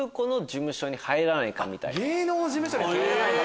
芸能事務所に入らないか？